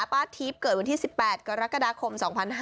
ป้าทิพย์เกิดวันที่๑๘กรกฎาคม๒๕๕๙